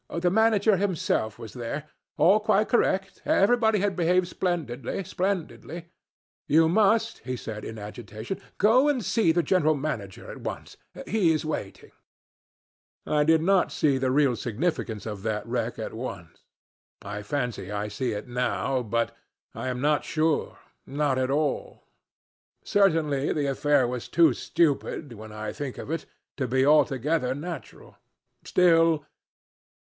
The 'manager himself' was there. All quite correct. 'Everybody had behaved splendidly! splendidly!' 'you must,' he said in agitation, 'go and see the general manager at once. He is waiting!' "I did not see the real significance of that wreck at once. I fancy I see it now, but I am not sure not at all. Certainly the affair was too stupid when I think of it to be altogether natural. Still.